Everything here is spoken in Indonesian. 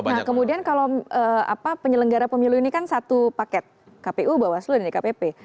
nah kemudian kalau penyelenggara pemilu ini kan satu paket kpu bawaslu dan dkpp